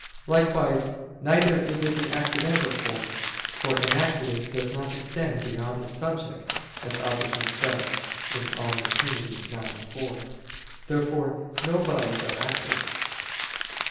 Likewise, neither is it an accidental form, for "an accident does not extend beyond its subject," as Augustine says (De Trin. ix, 4). Therefore no bodies are active.